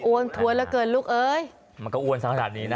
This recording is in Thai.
้วนท้วยเหลือเกินลูกเอ้ยมันก็อ้วนสักขนาดนี้นะ